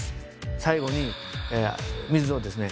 最後に水をですね